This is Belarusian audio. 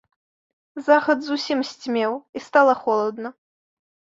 Захад зусім сцьмеў, і стала холадна.